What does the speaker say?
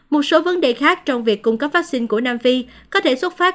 một số vấn đề khác trong việc cung cấp vaccine của nam phi có thể xuất phát